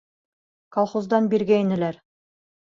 Колхоздан биргәйнеләр.